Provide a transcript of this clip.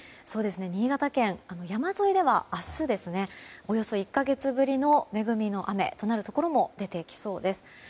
新潟県は、山沿いでは明日およそ１か月ぶりの恵みの雨となるところも出てきそうです。